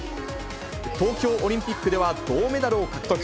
東京オリンピックでは銅メダルを獲得。